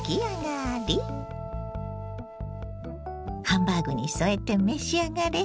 ハンバーグに添えて召し上がれ。